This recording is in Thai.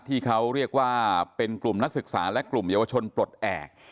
ที่เขาเรียกว่าเป็นกลุ่มนักศึกษาและกลุ่มเยาวชนปลดแอบ